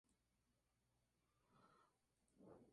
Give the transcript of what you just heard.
El sitio en el que anteriormente era ahora Causeway Place.